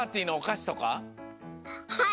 はい！